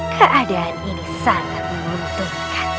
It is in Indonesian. keadaan ini sangat membutuhkan